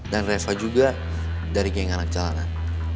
dan reva juga dari geng anak jalanan